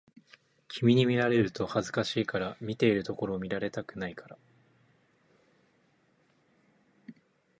君に見られると恥ずかしいから、見ているところを見られたくないから